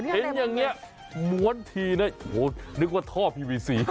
เห็นอย่างนี้ม้วนทีนะโอ้โหนึกว่าท่อพีวีซี